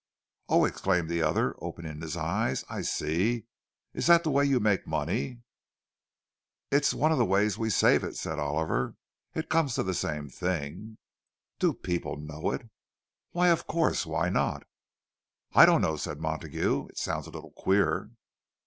"Oh!" exclaimed the other, opening his eyes, "I see! Is that the way you make money?" "It's one of the ways we save it," said Oliver. "It comes to the same thing." "Do people know it?" "Why, of course. Why not?" "I don't know," said Montague. "It sounds a little queer."